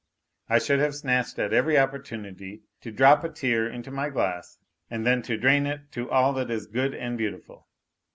I should have snatched at every opportunity to drop a tear into my glass and then to drain it to all that is " good and beautiful."